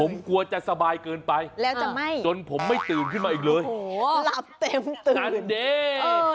ผมกลัวจะสบายเกินไปจนผมไม่ตื่นขึ้นมาอีกเลยทันเด้นแล้วจะไม่